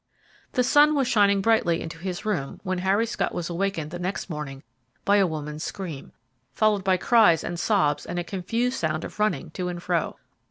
The sun was shining brightly into his room, when Harry Scott was awakened the next morning by a woman's scream, followed by cries and sobs and a confused sound of running to and fro.